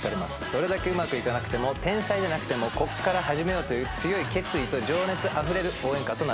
どれだけうまくいかなくても天才じゃなくてもこっから始めようという強い決意と情熱あふれる応援歌となっております。